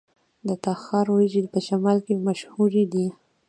د تخار وریجې په شمال کې مشهورې دي.